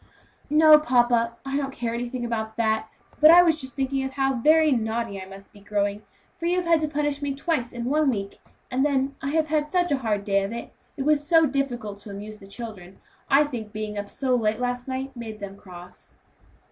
"No, papa; I don't care anything about that, but I was just thinking how very naughty I must be growing; for you have had to punish me twice in one week; and then I have had such a hard day of it it was so difficult to amuse the children. I think being up so late last night made them feel cross."